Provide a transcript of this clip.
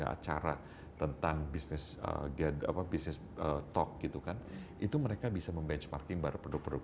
satu ratus sembilan puluh tiga acara tentang bisnis talk gitu kan itu mereka bisa membenchmarking barang barang produk produk